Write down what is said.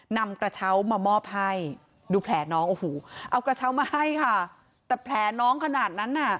นำกระเช้ามามอบให้ดูแผลน้องโอ้โหเอากระเช้ามาให้ค่ะแต่แผลน้องขนาดนั้นน่ะ